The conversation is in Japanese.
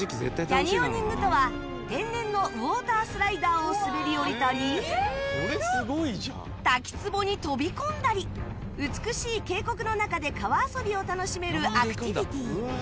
キャニオニングとは天然のウォータースライダーを滑り降りたり滝つぼに飛び込んだり美しい渓谷の中で川遊びを楽しめるアクティビティ